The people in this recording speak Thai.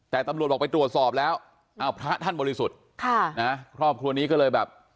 แต่ตำรวจบอกไปตรวจสอบแล้วอ้าวพระท่านบริสุทธิ์ค่ะนะครอบครัวนี้ก็เลยแบบ